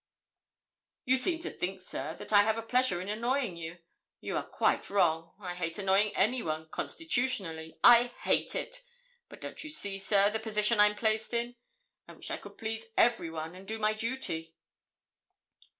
'You seem to think, sir, that I have a pleasure in annoying you; you are quite wrong. I hate annoying anyone constitutionally I hate it; but don't you see, sir, the position I'm placed in? I wish I could please everyone, and do my duty.'